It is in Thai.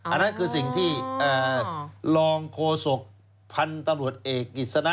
อันนั้นคือสิ่งที่รองโฆษกพันธุ์ตำรวจเอกกิจสนะ